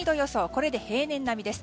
これで平年並みです。